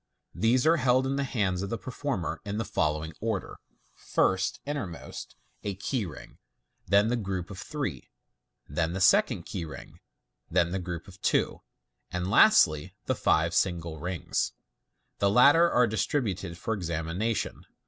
These are held in the hands of the performer in the following order. First (i.e., innermost) a key ring, then the group of three, then the second key ring, then the group of two, and lastly the five single rings. The latter are distributed for exami nation.